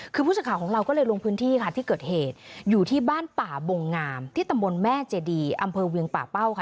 คือผู้สื่อข่าวของเราก็เลยลงพื้นที่ค่ะที่เกิดเหตุอยู่ที่บ้านป่าบงงามที่ตำบลแม่เจดีอำเภอเวียงป่าเป้าค่ะ